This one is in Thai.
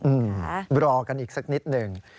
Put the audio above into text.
อืมรอกันอีกสักนิดหนึ่ง